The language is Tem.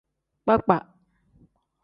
Kpakpa.